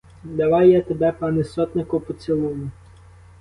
Давай я тебе, пане сотнику, поцілую!